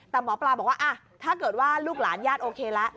แต่หมอปลาบอกว่าถ้าเกิดว่าลูกหลานญาติโอเคแล้ว